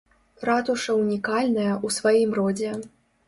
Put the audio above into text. Ратуша ўнікальная ў сваім родзе.